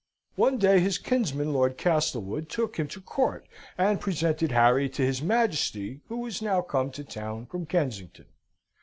One day his kinsman, Lord Castlewood, took him to court, and presented Harry to his Majesty, who was now come to town from Kensington.